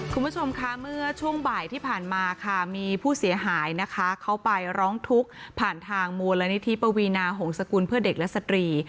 คุณผู้ชมคะเมื่อช่วงบ่ายที่ผ่านมาค่ะมีผู้เสียหายนะคะเขาไปร้องทุกข์ผ่านทางมูลนิธิปวีนาหงษกุลเพื่อเด็กและสตรี